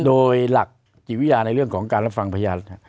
โดยหลักจิตวิทยาในเรื่องของการรับฟังพยาน